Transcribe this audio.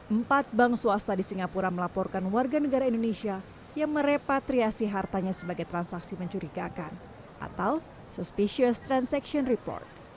empat bank swasta di singapura melaporkan warga negara indonesia yang merepatriasi hartanya sebagai transaksi mencurigakan atau suspecious transaction report